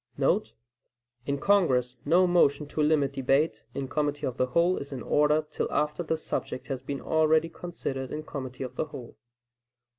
* [In Congress no motion to limit debate in committee of the whole is in order till after the subject has been already considered in committee of the whole.